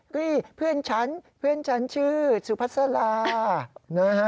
เพื่อนฉันเพื่อนฉันชื่อสุพัสลานะฮะ